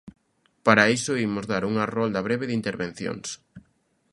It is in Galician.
Para iso imos dar unha rolda breve de intervencións.